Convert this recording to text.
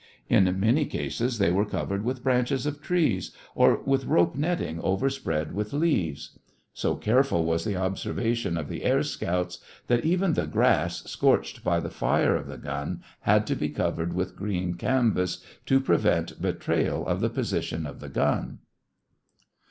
In many cases, they were covered with branches of trees or with rope netting overspread with leaves. So careful was the observation of the air scouts that even the grass scorched by the fire of the gun had to be covered with green canvas to prevent betrayal of the position of the gun.